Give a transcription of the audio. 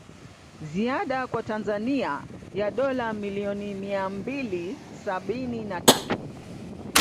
Ziada kwa Tanzania ya dola milioni mia mbili sabini na tatu